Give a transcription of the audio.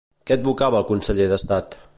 Què advocava el conseller d'Estat?